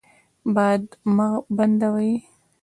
باد مه بندوئ.